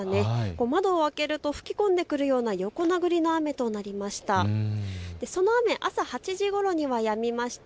窓を開けると吹き込んでくるような横殴りの雨となりました。